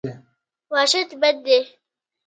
وحشت بد دی.